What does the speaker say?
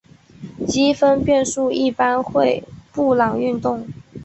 积分变数一般会布朗运动。